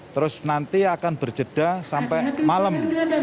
terus nanti akan berjeda sampai malam